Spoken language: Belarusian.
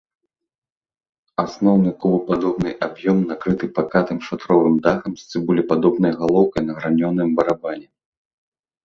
Асноўны кубападобны аб'ём накрыты пакатым шатровым дахам з цыбулепадобнай галоўкай на гранёным барабане.